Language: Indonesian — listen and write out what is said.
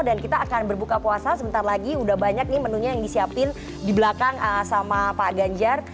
dan kita akan berbuka puasa sebentar lagi udah banyak nih menunya yang disiapin di belakang sama pak ganjar